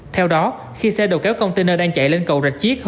theo đó khi xe đầu kéo container đang chạy lên cầu rạch chiếc